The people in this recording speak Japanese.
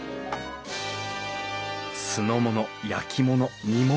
酢の物焼き物煮物。